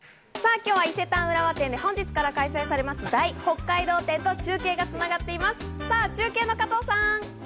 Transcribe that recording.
今日は伊勢丹浦和店で本日から開催されます、大北海道展と中継が繋がっています。